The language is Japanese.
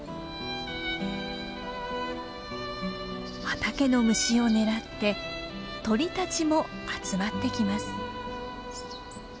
畑の虫を狙って鳥たちも集まってきます。